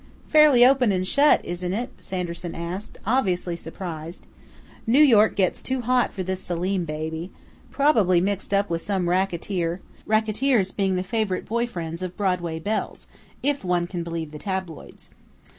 "Fairly open and shut, isn't it?" Sanderson asked, obviously surprised. "New York gets too hot for this Selim baby probably mixed up with some racketeer, racketeers being the favorite boy friends of 'Broadway belles', if one can believe the tabloids.